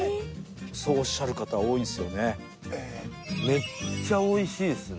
そうおっしゃる方多いんですよね。